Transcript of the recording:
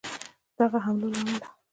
د دغه حملو له امله